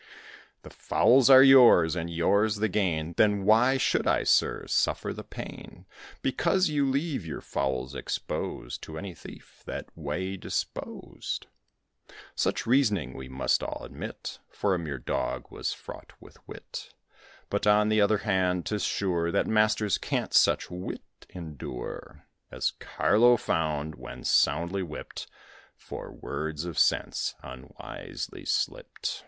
The fowls are yours, and yours the gain; Then why should I, sir, suffer pain, Because you leave your fowls exposed To any thief that way disposed?" Such reasoning, we must all admit, For a mere Dog, was fraught with wit; But, on the other hand, 'tis sure That masters can't such wit endure, As Carlo found, when soundly whipped For words of sense unwisely slipped.